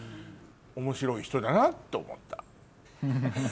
面白い人だなって思った。